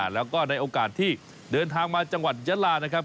แล้วก็ในโอกาสที่เดินทางมาจังหวัดยะลานะครับ